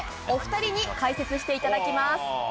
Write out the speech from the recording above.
お２人に解説していただきます。